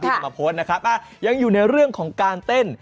พี่สำหรับโพสต์นะครับอ่ายังอยู่ในเรื่องของการเต้น